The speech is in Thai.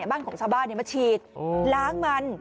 บ้านของชาวบ้านมาฉีดล้างมัน